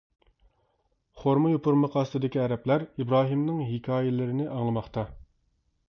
خورما يوپۇرمىقى ئاستىدىكى ئەرەبلەر ئىبراھىمنىڭ ھېكايىلىرىنى ئاڭلىماقتا.